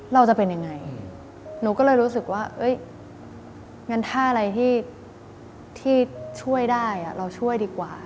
เราจะเป็นยังไงหนูก็เลยรู้สึกว่างั้นถ้าอะไรที่ช่วยได้เราช่วยดีกว่า